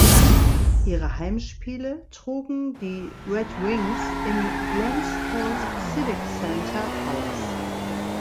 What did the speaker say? Ihre Heimspiele trugen die Red Wings im Glens Falls Civic Center aus.